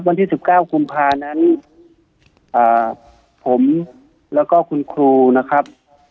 วันที่๑๙กุมภานั้นผมแล้วก็คุณครูนะครับ